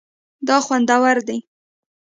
دا خوندور دی